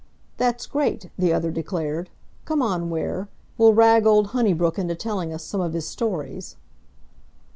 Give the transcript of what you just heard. "That's great," the other declared. "Come on, Ware. We'll rag old Honeybrook into telling us some of his stories."